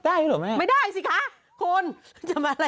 ได้เหรอแม่ไม่ได้สิคะคุณจะมาอะไร